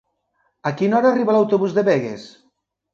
A quina hora arriba l'autobús de Begues?